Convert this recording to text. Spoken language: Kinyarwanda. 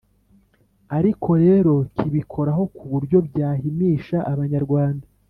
ariko rero kibikoraho ku buryo byahimisha abanyarwanda